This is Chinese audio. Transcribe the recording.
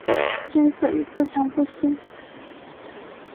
君子以自强不息